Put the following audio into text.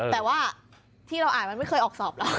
แต่ว่าที่เราอ่านมันไม่เคยออกสอบแล้ว